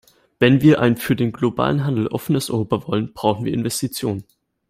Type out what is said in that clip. Wenn wir ein für den globalen Handel offenes Europa wollen, brauchen wir Investitionen.